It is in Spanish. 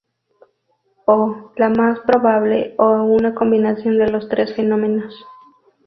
O, lo más probable, a una combinación de los tres fenómenos.